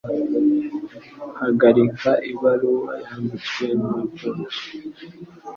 Hagarika ibaruwa yanditswe na George